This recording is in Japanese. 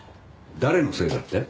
誰のせいだって？